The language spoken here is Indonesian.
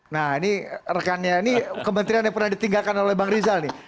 nah ini rekannya ini kementerian yang pernah ditinggalkan oleh bang rizal nih